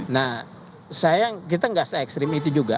nah sayang kita nggak se ekstrim itu juga